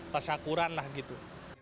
tersyakuran lah gitu